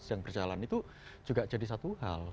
yang berjalan itu juga jadi satu hal